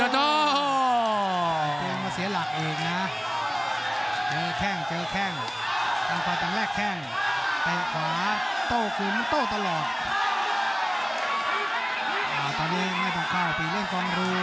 แดงมันเดิน๑๒๓๔๕เลย